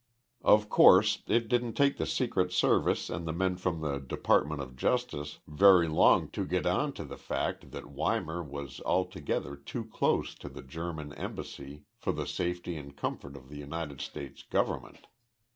Of course, it didn't take the Secret Service and the men from the Department of Justice very long to get on to the fact that Weimar was altogether too close to the German embassy for the safety and comfort of the United States government.